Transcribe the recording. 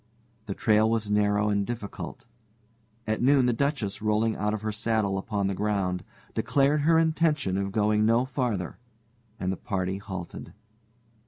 The trail was narrow and difficult. At noon the Duchess, rolling out of her saddle upon the ground, declared her intention of going no farther, and the party halted.